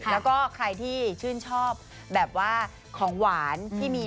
แล้วก็ใครที่ชื่นชอบแบบว่าของหวานที่มี